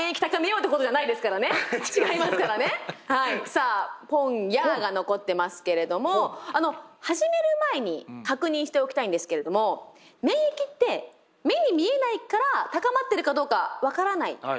さあポンヤーが残ってますけれどもあの始める前に確認しておきたいんですけれども免疫って目に見えないから高まっているかどうか分からないですよね？